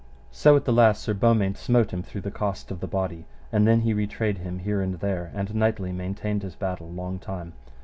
So at the last Sir Beaumains smote him through the cost of the body, and then he retrayed him here and there, and knightly maintained his battle long time.